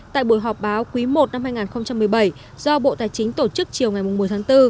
tại buổi họp báo quý i năm hai nghìn một mươi bảy do bộ tài chính tổ chức chiều ngày một mươi tháng bốn